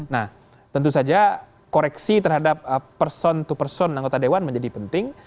nah tentu saja koreksi terhadap person to person anggota dewan menjadi penting